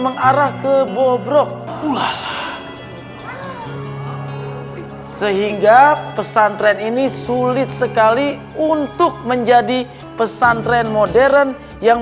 mengarah ke bobrok wah sehingga pesantren ini sulit sekali untuk menjadi pesantren modern yang